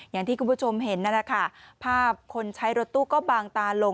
อย่างที่คุณผู้ชมเห็นนั่นแหละค่ะภาพคนใช้รถตู้ก็บางตาลง